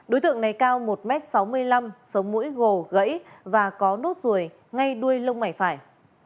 đối tượng này cao một m sáu mươi năm sống mũi gồ gãy và có nốt ruồi ngay đuôi lông mày phải